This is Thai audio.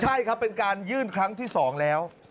ใช่ครับเป็นการยื่นครั้งที่๒แล้ว